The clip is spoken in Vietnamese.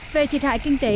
về thiệt hại kinh tế